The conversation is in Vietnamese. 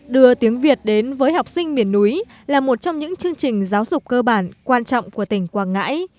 đưa tiếng việt đến với học sinh miền núi là một trong những chương trình giáo dục cơ bản quan trọng của tỉnh quảng ngãi